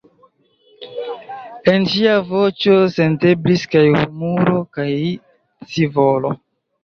En ŝia voĉo senteblis kaj humuro, kaj scivolo.